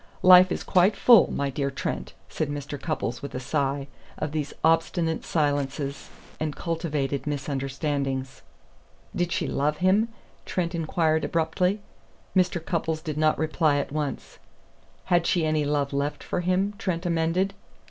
Life is quite full, my dear Trent," said Mr. Cupples with a sigh, "of these obstinate silences and cultivated misunderstandings." "Did she love him?" Trent inquired abruptly. Mr. Cupples did not reply at once. "Had she any love left for him?" Trent amended. Mr.